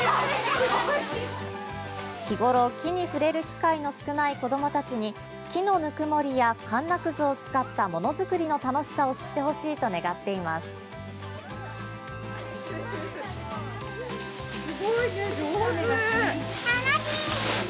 日ごろ木に触れる機会の少ない子どもたちに、木のぬくもりやかんなくずを使ったものづくりの楽しさを知ってほしいと願っています。